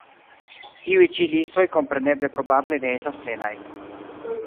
Tiuj ĉi listoj kompreneble probable ne estas plenaj.